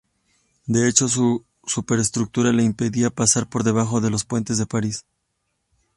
De hecho, su superestructura le impedía pasar por debajo de los puentes de París.